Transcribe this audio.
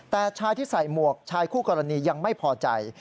แต่ชายที่ใส่หมวกชายคู่กรณียังไม่พอใจ